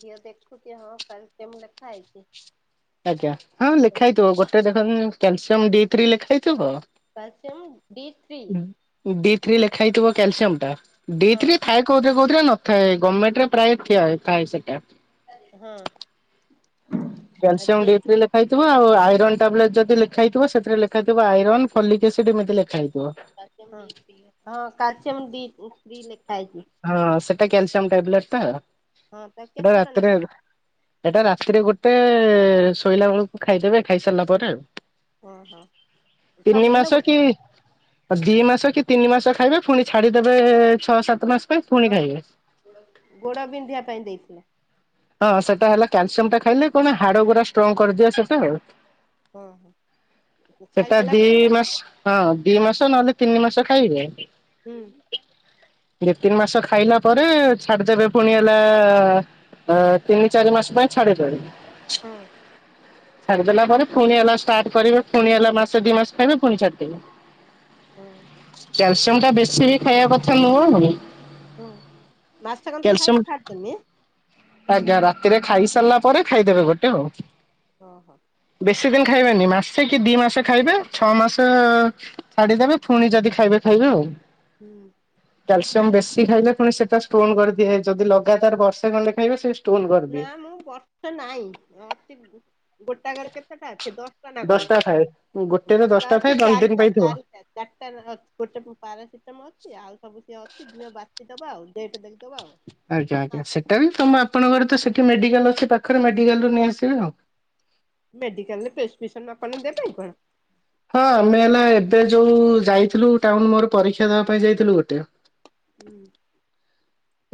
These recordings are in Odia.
ଝିଅ ଦେଖୁଛି ହଁ କ୍ୟାଲସିୟମ ଲେଖା ହେଇଛି। ଆଜ୍ଞା। ହଁ ଲେଖା ହେଇଥିବ, ଗୋଟେ ଦେଖନ୍ତୁ କ୍ୟାଲସିୟମ ଡି ଥ୍ରୀ ଲେଖା ହେଇଥିବ calcium D three? D three ଲେଖା ହେଇଥିବ କ୍ୟାଲସିୟମଟା, ଡି ହଁ ଥ୍ରୀ ଫାଇବ କୋଉଥିରେ କୋଉଥିରେ ନଥାଏ, ଗମେଣ୍ଟରେ ପ୍ରାୟ ଠିଆଏ ଥାଏ ସେଟା। ହଁ। କ୍ୟାଲସିୟମ ଝିଅ ଡି ଥ୍ରି ଲେ ଖା ହେଇଥିବ, ଆଉ ଆଇରନ୍ ଟାବଲେଟ୍ ଯଦି ଲେଖା ହେଇଥିବ, ସେଥିରେ ଲେଖା ହେଇଥିବ ଆଇରନ୍ ଫଲିକ ଏସିଡ ଏମିତି ଲେଖା ହେଇଥିବ। ହଁ କ୍ୟାଲସିୟମ ଡି ଥ୍ରି ଲେଖା ହେଇଛି। ହଁ ସେଟା କ୍ୟାଲସିୟମ ଟାବଲେଟଟା ଆଉ। ହଁ ତା ସେଟା କେତେଟା ଲେଖା ରାତିରେ ସେଇଟା ରାତିରେ ଗୋଟେ, ଶୋଇଲା ବେଳକୁ ଖାଇଦେବେ ଖାଇସାରିଲା ପରେ ଆଉ। ହଁ ହଁ ତିନି ସବୁଦିନ ମାସ ଗୋଟେ କି ଅ ଦି ମାସ କି ତିନି ମାସ ଖାଇବେ, ଫୁଣି ଛାଡିଦେବେ ଛଅ ସାତ ଝିଅ ମାସ ପାଇଁ, ଫୁଣି ତତେ ଖାଇବେ। ଗୋଡ ବିନ୍ଧିବା ପାଇଁ ଦେଇଥିଲା। ହଁ ସେଟା ହେଲା କାଲସିୟମଟା ଖାଇଲେ, କଣ ହାଡ ଗୁଡା ଷ୍ଟ୍ରଙ୍ଗ କରିଦିଏ ସେଟା ଆଉ। ହଁ ହଁ ସେଟା ଖାଇସାରିଲା ଦି ପରେ ମାସ ହଁ ଦି ମାସ ନହେଲେ ତିନି ମାସ ଖାଇବେ। ହୁଁ ଦି ତିନି ମାସ ଖାଇଲା ପରେ ଛାଡିଦେବେ ପୁଣି ହେଲା ଆ ତିନି ଚାରି ମାସ ପାଇଁ ଛାଡିଦେବେ। ହଁ ଛାଡିଦେଲା ପରେ ପୁଣି ହେଲା ଷ୍ଟାର୍ଟ କରିବେ ପୁଣି ହେଲା ମାସେ ଦି ମାସ ଖାଇବେ ପୁଣି ଛାଡିଦିବେ। ହଁ ହ କ୍ୟାଲସିୟମ ଟା ବେଶୀ ହିଁ ଖାଇବା କଥା ନୁହଁ ହଁ ମାସେ କତିରୁ କ୍ୟାଲସିୟମ ଖାଇକି ଛାଡିଦେମି? ଆଜ୍ଞା ରାତିରେ ଖାଇସାରିଲା ପରେ ଖାଇଦେବେ ଗୋଟେ ଆଉ। ହଁ ହଁ ବେଶୀ ଦିନ ଖାଇବେନି ମାସେ କି ଦି ମାସ ଖାଇବେ ଛଅ ମାସ ଛାଡିଦେବେ ପୁଣି ଯଦି ଖାଇବେ ଖାଇବେ ଆଉ। ହୁଁ କ୍ୟାଲସିୟମ ବେଶୀ ଖାଇଲେ ପୁଣି ସେଟା ଷ୍ଟୋନ କରିଦିଆଯଏ ଯଦି ଲାଗାତାର ବର୍ଷେ ଖଣ୍ଡେ ଖାଇବେ ସେ ଷ୍ଟୋନ ନା କରିଦିଏ। ମୁଁ ବର୍ଷେ ନାଇ ଅଛି ଗୋଟାକରେର କେତେଟା ଅଛି ଦଶ ଟା ନା କଣ ଦଶଟା ଥାଏ ଗୋଟେରେ ଦଶଟା ଥାଏ ଅଛି ଦଶ ଦିନ ଚାରିଟା ପାଇଁ ଥିବ। ଚାରିଟା ଚାରି ଚାରିଟା ନେଖା ଅଛି ଗୋଟେ ପାରାସିଟମ ଅଛି ଆଉ ସବୁ ସିଏ ଅଛି ଝିଅ ବାଛିଦବା ଆଉ ଡେଟ ଦେକିଦବା ଆଉ। ଆଜ୍ଞା ଆଜ୍ଞା ସେଇଟା ବି ତମ ଆପଣଙ୍କର ତ ସେଠି ମେଡିକାଲ ଅଛି ପାଖରେ ମେଡିକାଲରୁ ନେଇ ଆସିବେ ଆଉ। ମେଡିକାଲରେ ପ୍ରେସକ୍ରିପସନ ଆପଣ ଦେବେ କଣ? ହଁ ଆମେ ହେଲା ଏବେ ଯୋଉ ଯାଇଥିଲୁ ଟାଉନ ମୋର ପରୀକ୍ଷା ଦେବା ପାଇଁ ଯାଇଥିଲୁ ଗୋଟେ। ହୁଁ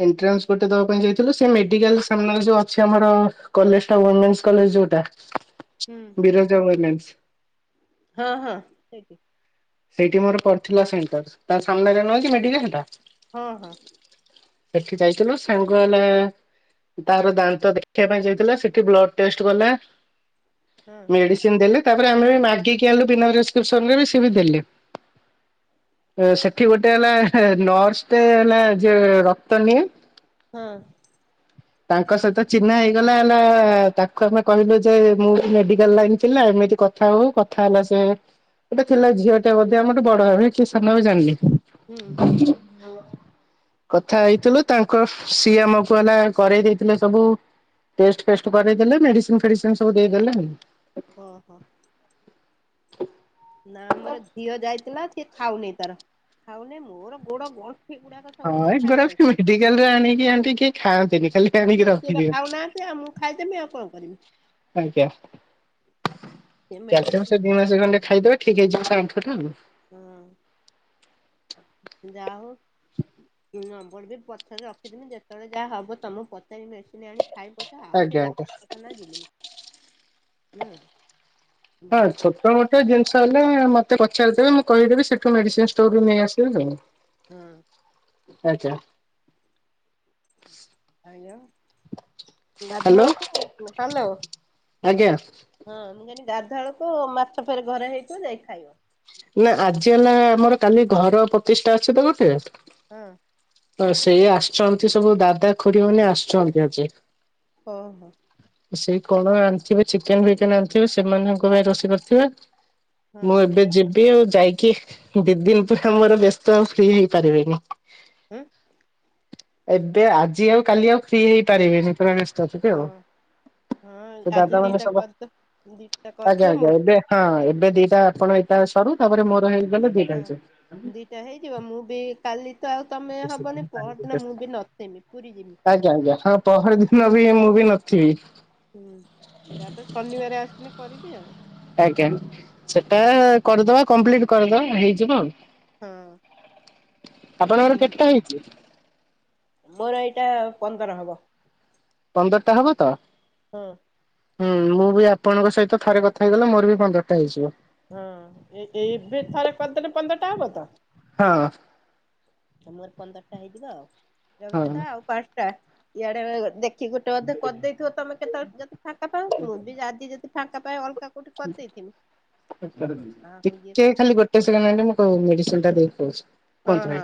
ଏଣ୍ଟ୍ରାନ୍ସ ଗୋଟେ ଦବା ପାଇଁ ଯାଇଥିଲୁ ସେ ମେଡିକାଲ ସାମ୍ନାରେ ଯୋଉ ଅଛି ଆମର କଲେଜ ଟା ୱମେନ୍ସ କଲେଜ ଯୋଉଟା। [inaudible] ହୁଁ ବିରଜା ୱେମେସ ହଁ ହଁ ସେଇଠି ସେଇଠି ମୋର ପଡିଥିଲା ସେଣ୍ଟର ତା ସାମ୍ନାରେ ନୁହେକି ମେଡିକାଲ ଟା ହଁ ହଁ ସେଠି ଯାଇଥିଲୁ ସାଙ୍ଗ ହେଲା ତାର ଦାନ୍ତ ଦେଖିବା ପାଇଁ ଯାଇଥିଲା ସେଠି ବ୍ଲଡ ଟେଷ୍ଟ କଲା। ହଁ ମେଡିସିନ ଦେଲେ ତାପରେ ଆମେ ବି ମାଗିକି ଆଣିଲୁ ବିନା ପ୍ରେସକ୍ରିସନ ରେ ବି ସେ ବି ଦେଲେ। ସେଠି ଗୋଟେ ହେଲା ନର୍ସଟେ ହେଲା ଯେ ର କ୍ତ ନିଏ ହଁ [inaudible] ତାଙ୍କ ସହିତ ଚିହ୍ନା ହେଇଗଲା ହେଲା ତାକୁ ଆମେ କହିଲୁ ଯେ ମୁଁ ମେଡିକାଲ ଲାଇନ ପିଲା ଏମିତି କ କଥା ହଉ କଥା ହେଲା ସେ ଗୋଟେ ଥିଲା ଝିଅ ଟେ ହେବ ସିଏ ଆମଠୁ ବଡ ହେବେ କି ସାନ ହେବେ ଜାଣିନି। ହୁଁ କଥା ହେଇଥିଲୁ ତାଙ୍କ ସିଏ ଆମକୁ ହେଲା କରେଇ ଦେଇଥିଲେ ସବୁ ଟେଷ୍ଟ ଫେଷ୍ଟ କରେଇଦେଲେ ମେଡିସିନ ଫେଡିସିନ ସବୁ ଦେଇଦଲେ। ଓ ହ ନା ମୋର ଝିଅ ଯାଇଥିଲା ସିଏ ଖାଉନି ତାର ଖାଉନି ମୋର ଗୋଡ ଗଣ୍ଠି ଗୁଡାକ ହଁ ସବୁ ଏ ବଥା ଗୁଡ଼ାକ ହେଇଯାଉଛି। ମେଡିକାଲ ରେ ଆଣିକି ଆଣ୍ଟି କେଇ ଖାଆନ୍ତିନି ଖାଲି ଆଣିକି ସିଏ ସେ ରଖିଦିଅନ୍ତି। ଖାଉନାହାନ୍ତି ଆଉଁ ଖାଇଦେବି ଆଉ କଣ କରିବି। ଆଜ୍ଞା ଏ ମେଡିକା ହଁ ସେ ଦି ମାସେ ଖଣ୍ଡେ ଖାଇଦେବେ ଠିକ ହେଇଯିବ ଆଣ୍ଠୁ ଟା ଆଉ। ହଁ ଯା ହଉ ନମ୍ବର ବି ପଛରେ ରଖିଦେମି ଯେତେବେଳେ ଯାହା ହବ ତମକୁ ପଚାରି ମେଡିସିନ ଆଣିକି ଖାଇପି ପଛେ ଆଉ ଆଜ୍ଞା ସେଇଟା ଆଜ୍ଞା। ଡା ଖାନ ଯିବିନି ନା ହଁ ଛୋଟ ମୋଟ ଜିନିଷ ହେଲେ ମତେ ପଚାରିଦେବେ ମୁଁ କହିଦେବି ସେଠୁ ମେଡିସିନ ହୁଁ ଷ୍ଟୋରରୁ ନେଇ ଆସିବେ ଆଉ ହଁ ଆଛା ଆଇଲୋ ହ୍ୟାଲୋ ଗାଧୁଆଳକୁ ହାଲୋ ଆଜ୍ଞା। ହଁ ମୁଁ କଇନି ଗାଧୁଆଳକୁ ମାଛ ଫେରେ ଘରେ ହେଇଥିବ ଯାଇ ଖାଇବ। ନା ଆଜି ହେଲା ଆମର କାଲି ଘର ପ୍ରଚିଷ୍ଠା ଅଛିତ ଗୋଟେ। ହଁ ହଁ ସେଇ ଆସୁଛନ୍ତି ସବୁ ଦାଦା ଖୁୁଡି ମାନେ ଆସୁଛନ୍ତି ଆଜି। ହଁ ହୋ ସେଇ କଣ ଆଣିଥିବେ ଚିକେନ ଫିକେନ ଆଣିଥିବେ ସେମାନଙ୍କ ପାଇଁ ରୋଷେଇ କରିଥିବେ। ହଁ ମୁଁ ଏବେ ଯିବି ଆଉ ଯାଇକି ଦି ଦିନ ପୁରା ଆମର ବ୍ୟସ୍ତ ଆଉ ଫ୍ରି ହେଇପାରିବିନି। ହୁଁ ଏବେ ଆଜି ଆଉ କାଲି ଆଉ ଫ୍ରି ହେଇପାରିବେନି କାରଣ ଚତୁର୍ଥୀ ଆଉ ହଁ ହଁ ସେ ଆଜି ଦାଦା ମାନେ ଦିଟା ସବ କରିଦ ଦିଟା ଆଜ୍ଞା କରିଦିଅ ମୁଁ ଆଜ୍ଞା ଏବେ ହଁ ଏବେ ଦିଟା ଆପଣ ଏଇଟା ସରୁ ତାପରେ ମୋର ହେଇଗଲେ ଦିଟା ହଁ ହେଇଯିବ। ଦିଟା ହେଇଯିବ ମୁଁ ବି କାଲି ତ ଆଉ ତମେ ହବନି। ପହରଦିନ ମୁଁ ବି ନଥିଲି ପୁରୀ ଯିବି। ଆଜ୍ଞା ଆଜ୍ଞା ହଁ ପହର ଦିନ ବି ମୁଁ ବି ନଥିବି। ହୁଁ ତାପରେ ଶନିବାର ଆସିଲି କରିବି। ଆଉ ଆଜ୍ଞା ସେଟା କରିଦବା କମ୍ପ୍ଲିଟ କରିଦବା ହେଇଯିବ। ଆଉ ହଁ ଆପଣଙ୍କର କେତେଟା ହେଇଛି? ମୋର ଏଇଟା ପନ୍ଦର ହବ। ପନ୍ଦରଟା ହବ ତ। ହଁ ହୁଁ ମୁଁ ବି ଆପଣଙ୍କ ସହିତ ଥରେ କଥା ହେଇଗଲେ ମୋର ବି ପନ୍ଦରଟା ହେଇଯିବ। ହଁ ଏ ଏବେ ଥରେ ପନ୍ଦଟ ପନ୍ଦରଟା ହବ ତ? ହଁ ମୋର ପନ୍ଦରଟା ହେଇଯିବ। ଆଉ ରହୁଛି ହଁ। ତ ଆଉ ପାଞ୍ଚଟା ଇଆଡେ ଦେଖ ଗୋଟେ ଅଧେ କରିଦେଇଥିବ ତମେ କେତେବେଳେ ଯଦି ଫାଙ୍କା ପାଉ ମୁଁ ବି ଆଜି ଯଦି ଫାଙ୍କା ପାଏ ଅଲଗା କୋଉଠି କରିଦେଇଥିବି [inaudible] ଆଉ ଇଏ ଟିକେ କରିବି ଖାଲି ଗୋଟେ ଗୋଟେ ସେକେଣ୍ଡ ପାଇଁ ମୁଁ ଟିକେ ମେଡିସିନ୍ ଟା ଦେଇ କି, ହଁ କୁହନ୍ତୁ ହଁ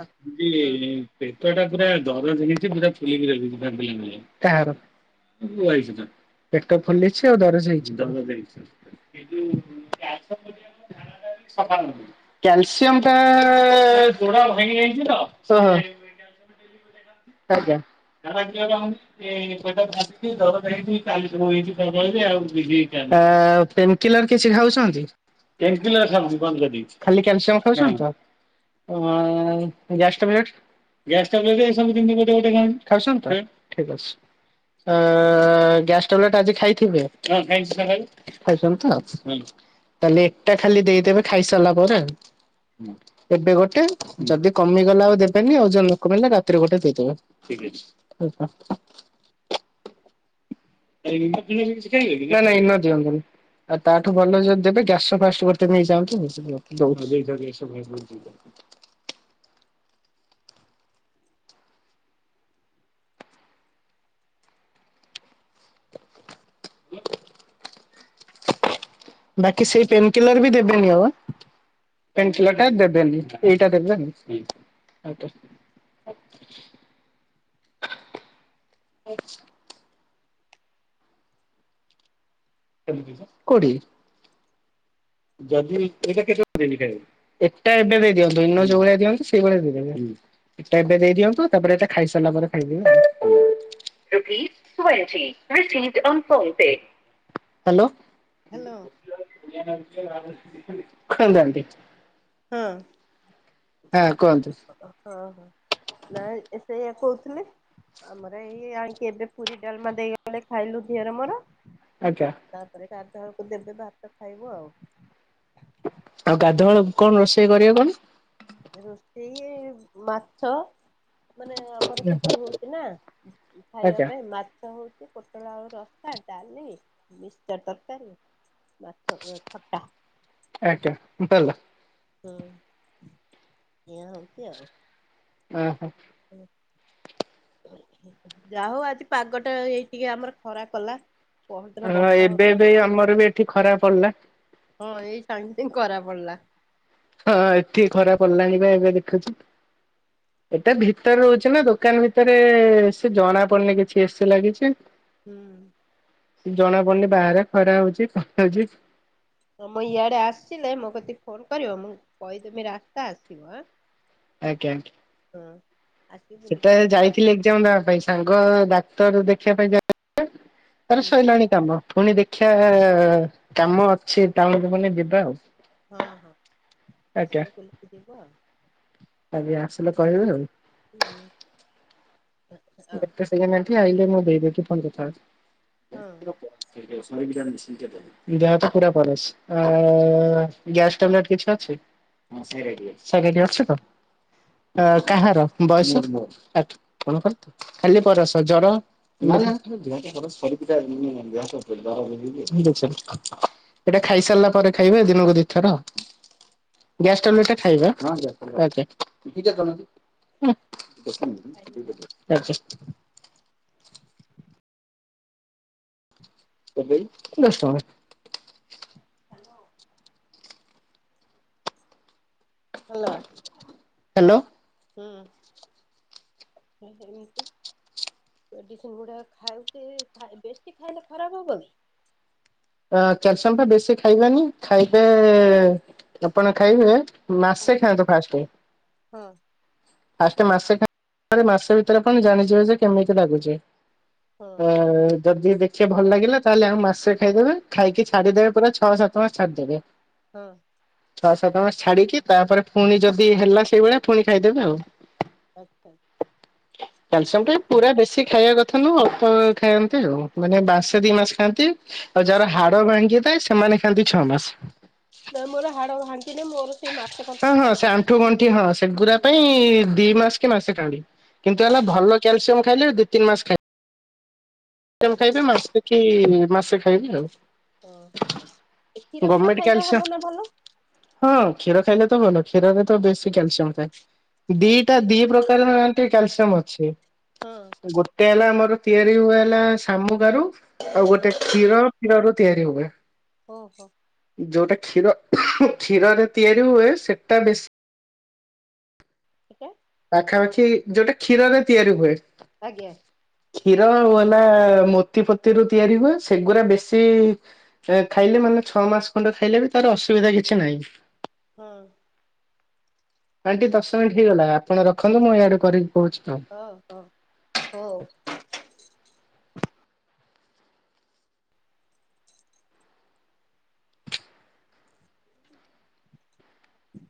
ହଁ ପେଟ ଟା ପୁରା ଦରଜ ହେଇଛି ପୁରା ଫୁଲିକି ରଖିଛି ନାନୀ, କାହାର? ପେଟ ଫୁଲିଛି ଆଉ ଦରଜ ହେଇଛି? ଦରଜ ହେଇଛି ଏଇ ଯୋଉ [inaudible] ଝାଡ଼ା ସଫା ହଉନି। କ୍ୟାଲସିୟମ ଟା ଗୋଡ଼ ଭାଙ୍ଗି ଯାଇଛିତ ଓଃ ଆଜ୍ଞା ଝାଡ଼ା କ୍ଲିୟର ହଉନି? ଏ ପେଟ କାଟୁଚି ଦରଜ ହେଇଚି। କାଲି ସବୁ ହେଇଚି, କଣ କହିଲେ ଆ କିଲର କିଛି ଖାଉଛନ୍ତି? ପେନକିଲର ଖାଉନି ବନ୍ଦ କରିଦେଇଛି। ଖାଲି କ୍ୟାଲସିଅମ ଖାଉଛନ୍ତି। ତ ଆଃ ଗ୍ୟାସ ଟାବଲେଟ ଗ୍ୟାସ ଟାବଲେଟ ସବୁଦିନ ଗୋଟେ ଗୋଟେ ଖାଉଛି। ଖାଉଛନ୍ତି ତ ଠିକ ଅଛି। ଆଃ ଗ୍ୟାସ ଟାବଲେଟ ଆଜି ଖାଇଥିବେ? ହଁ ଖାଇଚି ସକାଳୁ। ଖାଇଛନ୍ତି ତ ତାହଲେ ଏଟା ଖାଲି ଦେଇଦେବେ ଖାଇସାରିଲା ପରେ ଆଉ ଏବେ ଗୋଟେ। ଯଦି କମିଗଲା ଆଉ ଦେବେନି। ଆଉ ଜ ନ କମିଲା ରା ତି ରେ ଗୋଟେ ଦେଇଦେବେ। ଠିକ୍ ଅଛି। ଇନୋ ଫିନ ସେ କିଛି ଖାଇବେନି? ନାଁ ନାଁ ଇନୋ ଦିଅନ୍ତୁନି। ଆଉ ତାଠୁ ଭଲ ଯଦି ଦେବେ ଗ୍ୟାସ ଫାଷ୍ଟ ନେଇ ଯାଆନ୍ତୁ। [inaudible] [inaudible] [unintelligible] ବାକି ସେଇ ପେନ କିଲର ବି ଦେବେନି ଆଉ। ପେନକିଲରଟା ଦେବେନି ଏଇଟା ଦେବେ। ହୁଁ ଆଛ କୋଉଠି? ଯଦି ଏଇଟା କେତେବେଳେ ଦିନରେ ଖାଇବି? ଏଟା ଏବେ ଦେଇ ଦିଅନ୍ତୁ ଇନ ଯୋଉ ଭଳିଆ ଦିଅନ୍ତୁ ସେଇଭଳିଆ ଦେଇ ଦେବେ। ଏଟେ ଏବେ ଦେଇ ଦିଅନ୍ତୁ ତାପରେ ଏତେ ଖାଇ ସାରିଲା ପରେ ଖାଇ ଦେବେ ଆଉ। ହ୍ୟାଲୋ। ହ୍ୟାଲୋ [unintelligible] ହଁ। ହଁ କୁହନ୍ତୁ। ହଁ ହଁ ନାଇ ସେଇଆ କହୁଥିଲି। ଆମର ଏଇ ଆକି ଏବେ ପୁରୀ ଡାଲମା ଦେଇଗଲେ ଖାଇଲୁ ଝିଅର ମୋର। ଆଜ୍ଞା। ତାପରେ ଗାଧୁଆ ବେଳକୁ ଦେବେ ଭାତ ଖାଇବୁ ଆଉ। ଆଉ ଗାଧୁଆଳ କଣ ରୋଷେଇ କରିବେ କଣଣି? ରୋଷଇ ମାଛ। ମାନେ ଆମର ସେତି ହଉଛି ନା ଖାଇବା ଆଜ୍ଞା ପାଇଁ ମା ମାଛ ହଉଛି ପୋଟଳ ଆଉ ରସା ଡାଲି ମିକ୍ସଚର ତରକାରୀ। ମାଛ ତ ଖଟା। ଆଜ୍ଞା [unintelligible] ହୁଁ ଏଇଆ ହେଉଛି ଆଉ। ଓହୋ। ହୁଁ। ଯା ହଉ ଆଜି ପାଗଟା ଏଇଠିକେ ଆମର ଖରା କଲା। ପହରଦିନ ହଁ ବର୍ଷା ଏବେ ହଉଥିଲା ବି ଆମର ବି ଏଠି ଖରାପ ପଡିଲା। ହଁ ଏଇ ସାଙ୍ଗେ ସାଙ୍ଗ କରା ପଡିଲା। ହଁ ଏଠିକି ଖରାପ ପିଲାଣି ବା ଏବେ ଦେଖୁଛୁ। ଏଟା ଭିତରେ ରହୁଛି ନା ଦୋକାନ ଭିତରେ ସେ ଜଣା ପଡୁନି କିଛି ଏ ସି ଲାଗିଛି। ହୁଁ। ଜଣା ପଡୁନି ବାହାରେ ଖରା ହଉଛି କଣ ହଉଛି। ହଁ ମୁଁ ଇଆଡେ ଆସିଲେ ମୋ କତିକି ଫୋନ କରିବ ମୁଁ କହିଦମି ରାସ୍ତା ଆସିବ। ଆଜ୍ଞା। ହଁ। ଆସିକି ସେଟା ବୁଲିକି ଯିବ ଯାଇଥିଲେ ଏଜଣ ପାଇଁ ସାଙ୍ଗ ଡାକ୍ତର ଦେଖିବା ପାଇଁ ଯାଉ। ତାର ହୁଁ ସରଲାଣି କାମ ପୁଣି ଦେଖିବା କାମ ଅଛି ଟାଉନ ପୁଣି ଯିବା ଆଉ। ହଁ ହଁ। ଆଜ୍ଞା ଆସିକି ବୁଲିକି ଯିବ ଆଉ। ଆଜି ଆସିଲେ ହଉ କହିବୁ ଆଉ। ହୁଁ ଆଉ [unintelligible] ମୁଁ ଦେଇଦେବି ହଁ [unintelligible] ଦେହ ହାତ ପୁରା ପରାସ ଆ ଗ୍ୟାସ ଟାବଲେଟ କିଛି ଅଛି? ସେଡି ଅଛି ତ? ଆ କାହାର ବୟସ ଆ [unintelligible] ଖାଲି ବରସ ଜର [unintelligible] ଏଇଟା ଖାଇସାରିଲା ପରେ ଖାଇବେ ଦିନକୁ ଦିଥର। ଗ୍ୟାସ ଟ୍ୟାଵଲେଟ ଟା ଖାଇବେ ଆଜ୍ଞା। ଆଚ୍ଛା। ଦଶ ଟଙ୍କା। ହ୍ୟାଲୋ। ହ୍ୟାଲୋ। ହ୍ୟାଲୋ। ହୁଁ ଏମିତି। ମେଡ଼ିସିନ୍ ଗୁଡ଼ାକ ଖାଉ କିବେଶୀ ଖାଇଲେ ଖରାପ ହେବନି। କ୍ୟାଲସିୟମ ତ ବେଶୀ ଖାଇବେନି ଖାଇବେ ଆପଣ ଖାଇବେ। ମାସେ ଖାଆନ୍ତୁ ଫାଷ୍ଟ। ହଁ। ଆଷ୍ଟ ମାସେ ମାସେ ଭିତରେ ପ ଜାଣିଯିବେ ଯେ କେମିତି ଲାଗୁଛି। ହଁ ଅ ଯଦି ଦେଖିବା ଭଲ ଲାଗିଲା ତାହେଲେ ଆମ ମାସରେ ଖାଇଦେବେ ଖାଇକି ହଁ ଛାଡିଦେବେ ପୁରା ଛଅ ସାତ ତ ଛାଡି ଦେବେ। ହଁ। ଛଅ ସାତ ଛାଡ଼ିକି ତାପରେ ପୁଣି ଯଦି ହେଲା ସେଇଭଳିଆ ପୁଣି ଖାଇଦେବେ ଆଉ। ଆଚ୍ଛା। କାଲସିୟମ ଟା ପୁରା ବେଶୀ ଖାଇବା କଥା ନୁ ଅଳ୍ପ ଖାଆନ୍ତି ଆଉ। ମାନେ ମାସେ ଦି ମାସେ ଖାଆନ୍ତି। ଆଉ ଯାହାର ହାଡ ଭାଙ୍ଗି ଥାଏ ସେମାନେ ଖାଆନ୍ତି ଛଅ ମାସ। ନା ମୋର ହାଡ ଭାଙ୍ଗିନୀ ମୋର। ସେଇ ମାସେ ହଁ କନ୍ତରୁ ହଁ ସେ ଖାଇଦେଲି। ଆଣ୍ଠୁ ଗଣ୍ଠି ହଁ ସେଗୁରା ହୁଁ ପାଇଁ ଦି ମାସ କି ମାସେ ଖାଆନ୍ତି। କିନ୍ତୁ ହେଲା ଭଲ କ୍ୟାଲସିୟମ ଖାଇଲେ ଦିଇ ତିନି ମାସ ଖାଇ ଟେମ୍ ଖାଇବେ ମାସେ କି ମାସେ ଖାଇବେ ଆଉ। ଓହୋ ଏ କ୍ଷୀର ଫିର ଗଭର୍ଣ୍ଣମେଣ୍ଟ ଖାଇଲେ କ୍ୟାଲସିୟମ ହବ ନା ଭଲ। ହଁ କ୍ଷୀର ଖାଇଲେ ତ ଭଲ କ୍ଷୀରରେ ତ ବେଶୀ କ୍ୟାଲସିୟମ ଥାଏ। ଆଉ ଦିଟା କ୍ଷୀର ଦି ପ୍ରକାର ଏ କ୍ୟାଲସିୟମ ଅଛି। ହଁ। ଗୋଟେ ହେଲା ଆମର ତିଆରି ହୁଏ ହେଲା ଶାମୁ କାରୁ। ଆଉ ଗୋଟେ କ୍ଷୀର କ୍ଷୀର ରୁ ତିଆରି ହୁଏ। ଓହୋ। ଯେଉଁଟା କ୍ଷୀର କ୍ଷୀରରେ ତିଆରି ହୁଏ ସେଇଟା ବେଶୀ କେତେ? ପାଖାପାଖି ଯୋଉଟା କ୍ଷୀରରେ ତିଆରି ହୁଏ। ଆଜ୍ଞା। କ୍ଷୀର ହେଲା ମୋତି ପତି ରୁ ତିଆରି ହୁଏ ସେଗୁଡା ବେଶୀ ଖାଇଲେ ମାନେ ଛଅ ମାସ ଖଣ୍ଡେ ଖାଇଲେ ବି ତାର ଅସୁବିଧା କିଛି ନାହିଁ। ହଁ। ଆଣ୍ଟି ଦଶ ମିନିଟ୍ ହେଇଗଲା ଆପଣ ରଖନ୍ତୁ ମୁଁ ଇଆଡେ କରିକି କହୁଛି ଆଉ। ହଁ ହଁ ହଉ। ହୁଁ।